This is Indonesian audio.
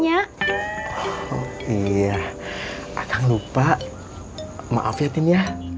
jangan lupa mama pengeni